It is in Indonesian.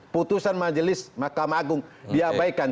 putusan majelis mahkamah agung diabaikan